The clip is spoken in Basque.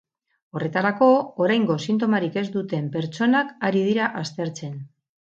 Horretarako, oraingoz sintomarik ez duten pertsonak ari dira aztertzen.